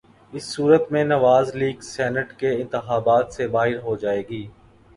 اس صورت میں Nawaz league senate کے انتخابات سے باہر ہو جائے گی۔